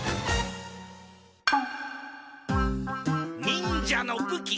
「忍者の武器」。